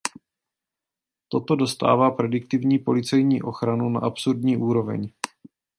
Toto dostává prediktivní policejní ochranu na absurdní úroveň.